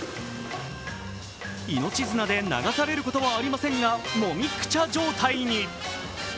命綱でながされることはありませんがもみくちゃ状態に。